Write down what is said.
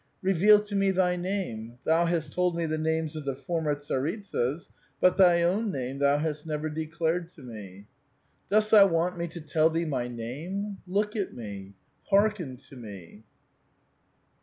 " Reveal to me thj' name ; thou hast told me the names of the former tsaritsas, but thy own name thou hast never declared to me." ^^ Dost thou want me to tell thee my name? Look at me, hearken to me."